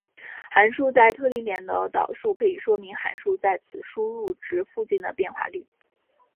函数在特定点的导数可以说明函数在此输入值附近的变化率。